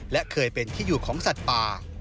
และเคยเป็นที่อยู่ของสัตว์ป่า